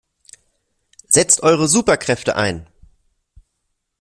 Setzt eure Superkräfte ein!